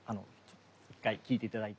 １回聞いて頂いて。